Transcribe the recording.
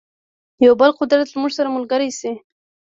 یو بل قدرت زموږ سره ملګری شي.